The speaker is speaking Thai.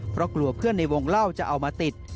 เพราะกลัวเพื่อนในวงเล่าจะเอามาติด